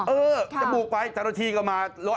เออจะบุกไปจัดละที่ก็มา